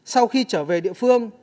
sau khi trở về địa phương